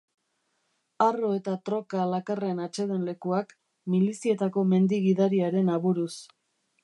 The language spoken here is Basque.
Arro eta troka lakarren atsedenlekuak, milizietako mendi-gidariaren aburuz.